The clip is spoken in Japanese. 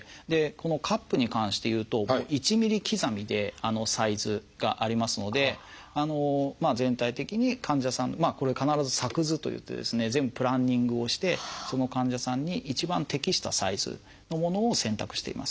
このカップに関していうと１ミリ刻みでサイズがありますので全体的に患者さんこれ必ず作図といってですね全部プランニングをしてその患者さんに一番適したサイズのものを選択しています。